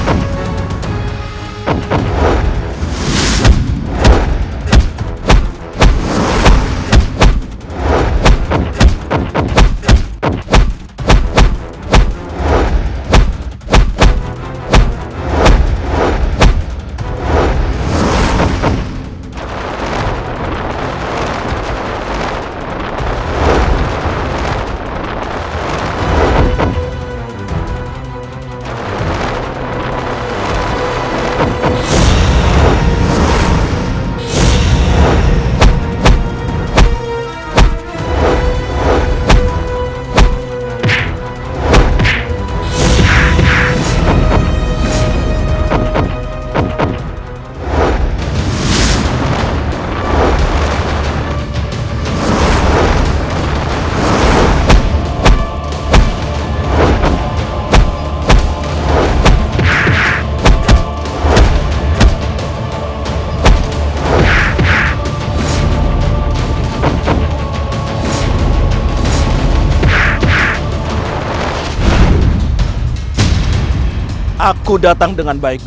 aku tidak akan menangkapmu